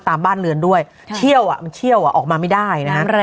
บ้านเรือนด้วยเชี่ยวมันเชี่ยวออกมาไม่ได้นะฮะ